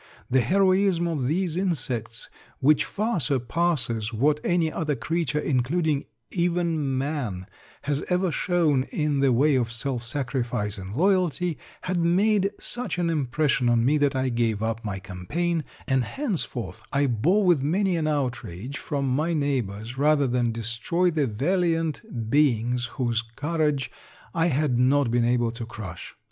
The heroism of these insects, which far surpasses what any other creature, including even man, has ever shown in the way of self sacrifice and loyalty, had made such an impression on me that I gave up my campaign, and henceforth I bore with many an outrage from my neighbors rather than destroy the valiant beings whose courage I had not been able to crush."